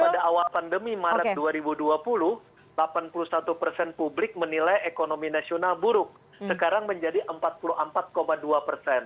dan pada awal pandemi maret dua ribu dua puluh delapan puluh satu persen publik menilai ekonomi nasional buruk sekarang menjadi empat puluh empat dua persen